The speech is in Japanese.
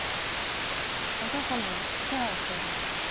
お嬢様のお世話をしている者です。